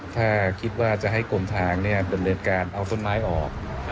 ถ้าคิดว่าจะให้กลมทางเนี่ยเดินเรินการเอาต้นไม้ออก